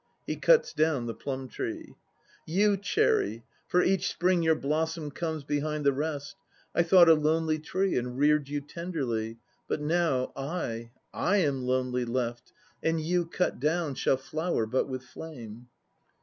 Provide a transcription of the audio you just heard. (He cuts down the plum tree.) "You, cherry (for each Spring your blossom comes Behind the rest), I thought a lonely tree And reared you tenderly, but now /,/ am lonely left, and you, cut down, Shall flower but with flame."